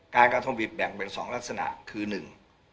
การกระทงผิดแบ่งเป็นสองลักษณะคือหนึ่ง